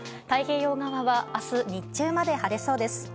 太平洋側はあす日中まで晴れそうです。